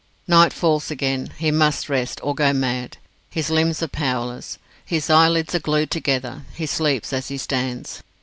Night falls again. He must rest, or go mad. His limbs are powerless. His eyelids are glued together. He sleeps as he stands.